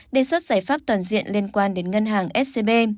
đề xuất giải pháp toàn diện liên quan đến ngân hàng scb